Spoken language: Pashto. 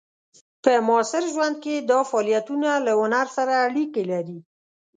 په معاصر ژوند کې دا فعالیتونه له هنر سره اړیکې لري.